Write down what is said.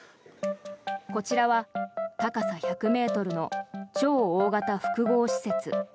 こちらは、高さ１００ｍの超大型複合施設。